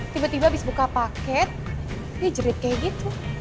tiba tiba setelah membuka paket dia menjerit seperti itu